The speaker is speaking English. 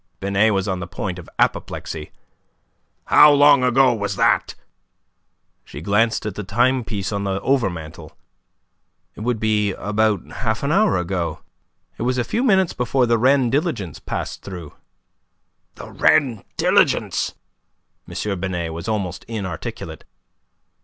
Binet was on the point of an apoplexy. "How long ago was that?" She glanced at the timepiece on the overmantel. "It would be about half an hour ago. It was a few minutes before the Rennes diligence passed through." "The Rennes diligence!" M. Binet was almost inarticulate.